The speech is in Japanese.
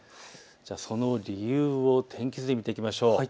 その理由を天気図で見ていきましょう。